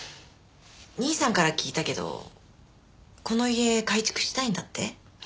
兄さんから聞いたけどこの家改築したいんだって？